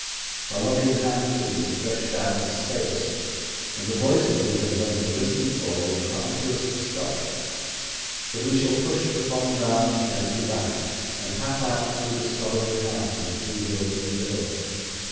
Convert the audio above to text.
The loving hands will be stretched out to stay us, and the voices we have learned to listen for will cry to us to stop. But we shall push the fond arms gently back and pass out through the sorrowing house and through the open door.